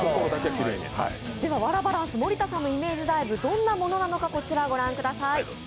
では「ワラバランス盛田のイメージダイブ」どんなものなのかこちらご覧ください。